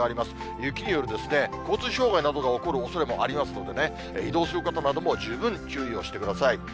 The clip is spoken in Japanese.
雪による交通障害などが起こるおそれもありますので、移動する方なども十分注意をしてください。